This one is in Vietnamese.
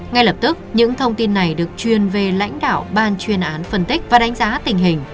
ngay lập tức những thông tin này được chuyên về lãnh đạo ban chuyên án phân tích và đánh giá tình hình